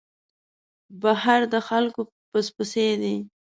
بهر د خلکو پس پسي دی.